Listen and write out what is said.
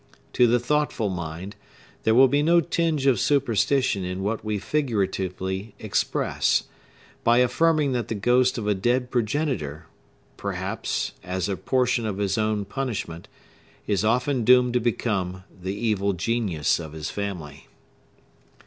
To the thoughtful mind there will be no tinge of superstition in what we figuratively express, by affirming that the ghost of a dead progenitor—perhaps as a portion of his own punishment—is often doomed to become the Evil Genius of his family.